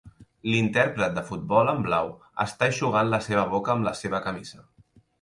L'intèrpret de futbol en blau està eixugant la seva boca amb la seva camisa